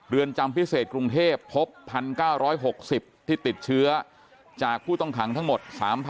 จำพิเศษกรุงเทพพบ๑๙๖๐ที่ติดเชื้อจากผู้ต้องขังทั้งหมด